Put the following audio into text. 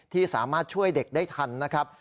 ที่สามารถช่วยเด็กได้ทันนะครับ